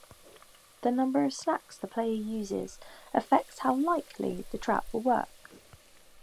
The number of snacks the player uses effects how likely the trap will work.